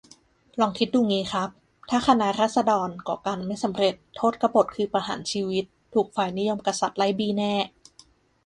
ลองคิดดูงี้ครับ ถ้าคณะราษฎรก่อการไม่สำเร็จ โทษกบฎคือประหารชีวิต ถูกฝ่ายนิยมกษัตริย์ไล่บี้แน่